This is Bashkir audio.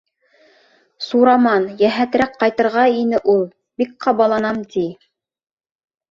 Сураман, йәһәтерәк ҡайтырға ине, ул, бик ҡабаланам, ти.